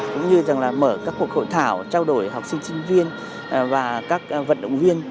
cũng như mở các cuộc hội thảo trao đổi học sinh sinh viên và các vận động viên